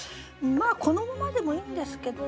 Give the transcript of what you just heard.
このままでもいいんですけど。